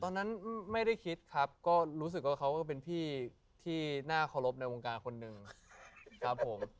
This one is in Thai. ตอนนั้นไม่ได้คิดครับก็รู้สึกว่าเขาก็เป็นพี่ที่น่าเคารพในวงการคนหนึ่งครับผม